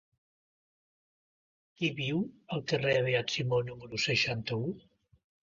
Qui viu al carrer del Beat Simó número seixanta-u?